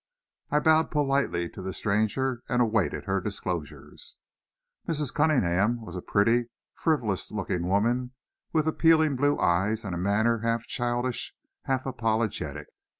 I bowed politely to the stranger, and awaited her disclosures. Mrs. Cunningham was a pretty, frivolous looking woman, with appealing blue eyes, and a manner half childish, half apologetic.